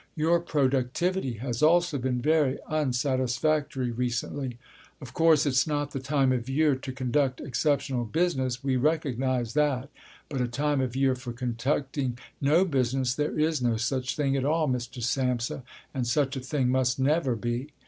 Your productivity has also been very unsatisfactory recently. Of course, it's not the time of year to conduct exceptional business, we recognize that, but a time of year for conducting no business, there is no such thing at all, Mr. Samsa, and such a thing must never be."